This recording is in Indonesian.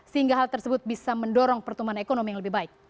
sehingga hal tersebut bisa mendorong pertumbuhan ekonomi yang lebih baik